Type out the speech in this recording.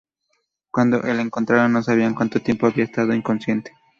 Cuando le encontraron no sabían cuánto tiempo había estado inconsciente.